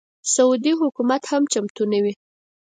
سعودي حکومت هم چمتو نه وي.